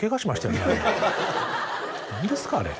何ですかあれ。